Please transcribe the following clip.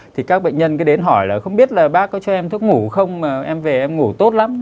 thì các bệnh nhân cứ đến hỏi là không biết là bác có cho em thuốc ngủ không em về em ngủ tốt lắm